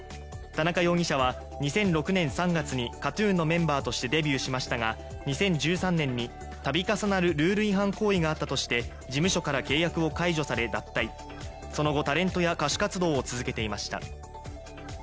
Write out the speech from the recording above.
田中容疑者は２００６年３月にＫＡＴ−ＴＵＮのメンバーとしてデビューしましたが、２０１３年に度重なるルール違反行為があったとして事務所から契約を解除され脱退、その後、タレントや歌手活動を続けていました。